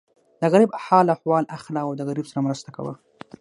د غریب حال احوال اخله او د غریب سره مرسته کوه.